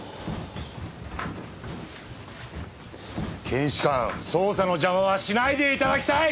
検視官捜査の邪魔はしないで頂きたい！